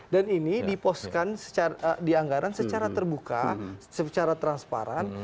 dan ini dipostkan di anggaran secara terbuka secara transparan